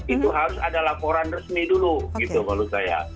itu harus ada laporan resmi dulu gitu menurut saya